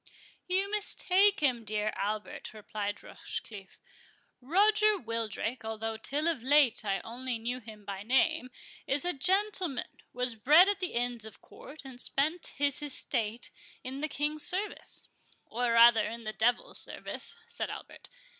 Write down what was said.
"You mistake him, dear Albert," replied Rochecliffe—"Roger Wildrake, although till of late I only knew him by name, is a gentleman, was bred at the Inns of Court, and spent his estate in the King's service." "Or rather in the devil's service," said Albert.